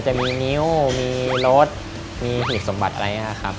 จะมีนิ้วมีรถมีหีบสมบัติอะไรอย่างนี้ครับ